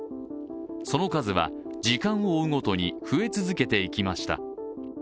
その数は時間を追うごとに増え続けていきました。